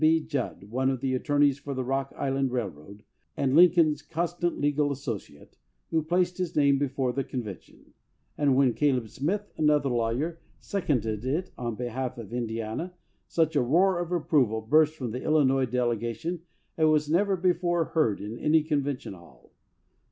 B. Judd, one of the attornej^s for the Rock Island Railroad, and Lincoln's constant legal associate, who placed his name before the con vention, and when Caleb Smith, another lawyer, seconded it on behalf of Indiana such a roar of approval burst from the Illinois delegation as was never before heard in any convention hall.